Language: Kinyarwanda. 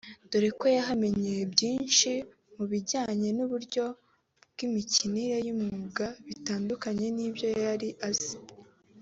dore ko yahamenyeye byinshi mu bijyanye n’uburyo bw’imikinire y’umwuga bitandukaye n’ibyo yari azi